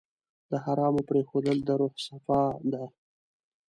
د حرامو پرېښودل د روح صفا ده.